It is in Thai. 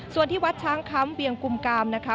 ส่วนที่วัดช้างคำเวียงกุมกามนะคะ